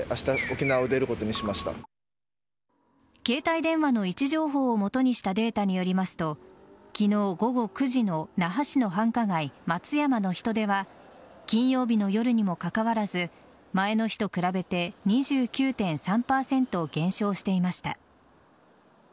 携帯電話の位置情報を基にしたデータによりますと昨日午後９時の那覇市の繁華街・松山の人出は金曜日の夜にもかかわらず前の日と比べて２９．３％減少していました。